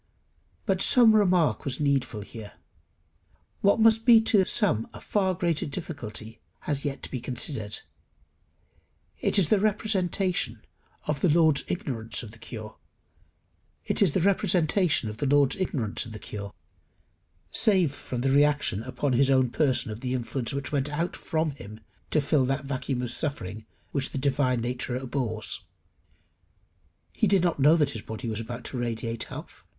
But some remark was needful here. What must be to some a far greater difficulty has yet to be considered. It is the representation of the Lord's ignorance of the cure, save from the reaction upon his own person of the influence which went out from him to fill that vacuum of suffering which the divine nature abhors: he did not know that his body was about to radiate health.